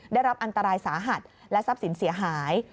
ได้รับอันตรายสาหัสและทรัพย์สินเสียหาย